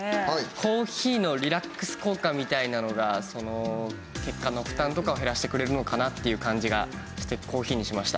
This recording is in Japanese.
コーヒーのリラックス効果みたいなのが血管の負担とかを減らしてくれるのかなっていう感じがしてコーヒーにしました。